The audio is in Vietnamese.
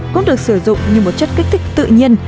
cũng được sử dụng như một chất kích thích tự nhiên